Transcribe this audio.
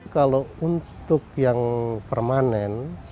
kalau untuk yang permanen